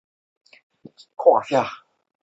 西藏长叶松在整个分布地区的变异不大。